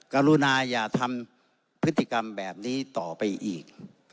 กรุณาอย่าทำพฤติกรรมแบบนี้ต่อไปอีก